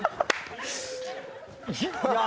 いや。